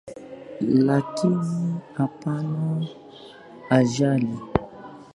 Lakini hapana ajali.